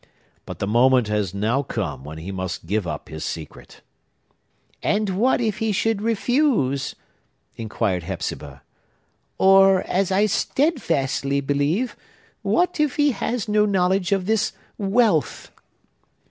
But the moment has now come when he must give up his secret." "And what if he should refuse?" inquired Hepzibah. "Or,—as I steadfastly believe,—what if he has no knowledge of this wealth?"